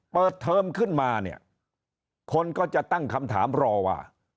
เปิดเทอมขึ้นมาคนก็จะตั้งคำถามรอว่า